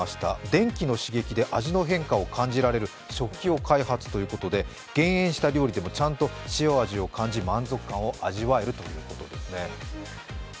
電気の刺激で味の変化を感じられる食器を開発ということで減塩した料理でもちゃんと塩味を感じ、満足感を味わえるということですね。